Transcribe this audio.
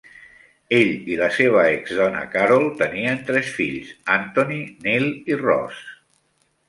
Ell i la seva ex-dona Carol tenien tres fills, Anthony, Neil i Ross.